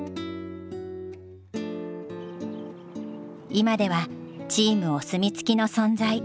今ではチームお墨付きの存在。